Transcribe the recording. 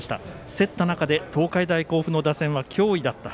競った中で東海大甲府の打線は脅威だった。